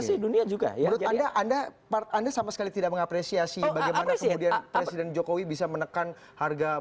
menurut anda anda sama sekali tidak mengapresiasi bagaimana kemudian presiden jokowi bisa menekan harga